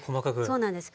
そうなんです。